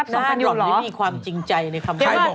น่าร่วมไม่มีความจริงใจในคำถาม